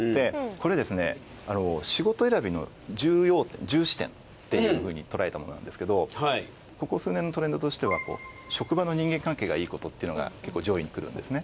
これですね仕事選びの重視点っていうふうにとらえたものなんですけどここ数年のトレンドとしては職場の人間関係がいいことっていうのが結構上位にくるんですね。